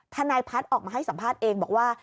ทนายพัฒน์ออกมาให้สัมภาษณ์เองบอกว่า